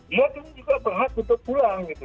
dia pun juga berhak untuk pulang gitu